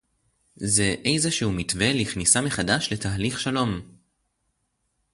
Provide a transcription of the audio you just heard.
זה איזשהו מתווה לכניסה מחדש לתהליך שלום